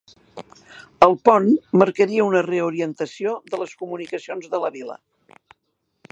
El pont marcaria una reorientació de les comunicacions de la vila.